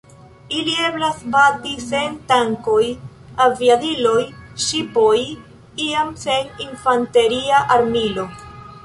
Ili eblas bati sen tankoj, aviadiloj, ŝipoj, iam sen infanteria armilo.